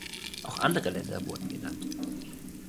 Auch andere Länder wurden genannt.